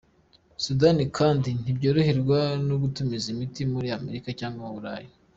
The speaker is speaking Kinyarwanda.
Sudani kandi ntiyoroherwa no gutumiza imiti muri Amerika cyangwa mu Burayi.